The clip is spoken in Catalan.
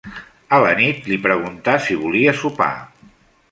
A la nit, li preguntà si volia sopar.